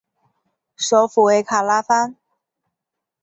首府为卡拉潘。